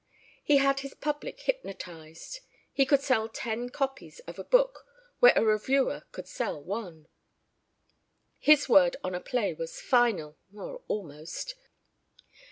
He had his public hypnotized. He could sell ten copies of a book where a reviewer could sell one. His word on a play was final or almost.